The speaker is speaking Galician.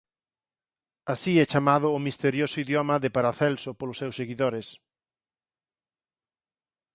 Así e chamado o misterioso idioma de Paracelso polos seus seguidores..